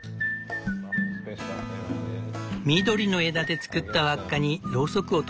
緑の枝で作った輪っかにロウソクを留めてゆく。